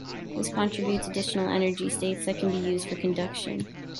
This contributes additional energy states that can be used for conduction.